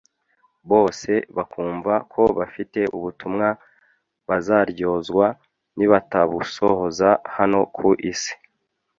bose bakumva ko bafite ubutumwa bazaryozwa nibatabusohoza hano ku isi